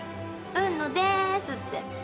「うのでーす！って」